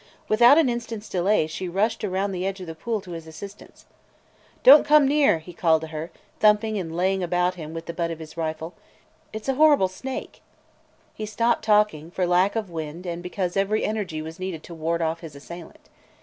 Without an instant's delay she rushed around the edge of the pool to his assistance. "Don't come near!" he called to her, thumping and laying about him with the butt of his rifle. "It 's a horrible snake!" He stopped talking, for lack of wind and because every energy was needed to ward off his assailant.